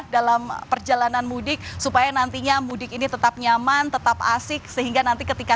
dalam perjalanan mudik supaya nantinya mudik ini tetap nyaman tetap asik sehingga nanti ketika